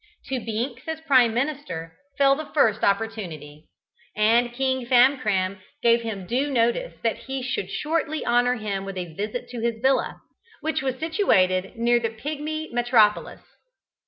To Binks, as Prime Minister, fell the first opportunity, and King Famcram gave him due notice that he should shortly honour him with a visit to his villa, which was situate near the Pigmy metropolis.